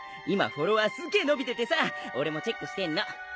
今フォロワーすっげえ伸びててさ俺もチェックしてんの。